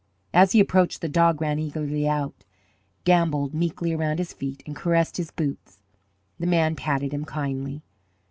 As he approached, the dog ran eagerly out, gambolled meekly around his feet and caressed his boots. The man patted him kindly.